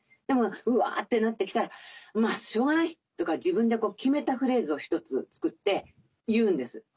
でもうわってなってきたら「まあしようがない」とか自分で決めたフレーズを一つ作って言うんです。